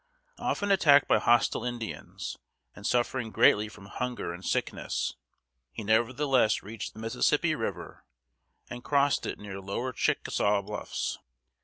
Often attacked by hostile Indians, and suffering greatly from hunger and sickness, he nevertheless reached the Mississippi River, and crossed it near Lower Chick´a saw Bluffs.